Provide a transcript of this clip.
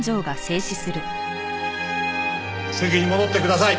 席に戻ってください。